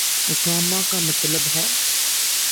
اقامہ کا مطلب ہے۔